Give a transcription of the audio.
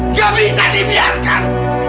nggak bisa dibiarkan